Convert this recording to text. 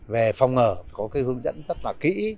về phòng ngờ có hướng dẫn rất kỹ